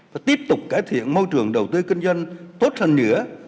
và tiếp tục cải thiện môi trường đầu tư kinh doanh tốt hơn nữa